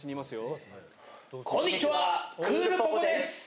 こんにちは、クールポコ。です。